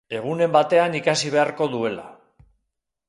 Egunen batean ikusi beharko duela.